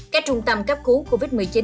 các trung tâm cấp cứu covid một mươi chín